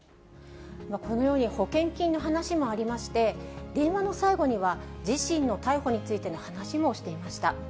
このように、保険金の話もありまして、電話の最後には、自身の逮捕についての話もしていました。